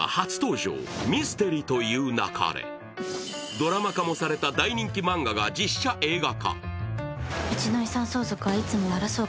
ドラマ化もされた大人気漫画が実写映画化。